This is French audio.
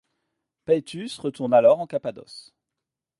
Paetus retourne alors en Cappadoce.